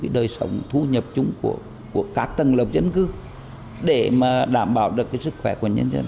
đời sống thu nhập chung của các tầng lớp dân cư để đảm bảo được sức khỏe của nhân dân